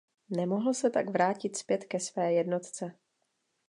Nemohl se tak vrátit zpět ke své jednotce.